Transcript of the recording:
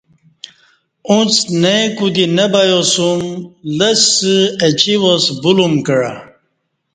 اݩڅ نئ کو دی نہ بیاسوم لسہ اچی واس بولم کعہ